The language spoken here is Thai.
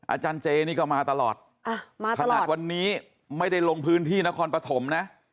อาจารย์เจนี่ก็มาตลอดขนาดวันนี้ไม่ได้ลงพื้นที่นครปฐมนะ